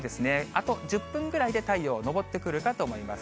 あと１０分ぐらいで太陽、昇ってくるかと思います。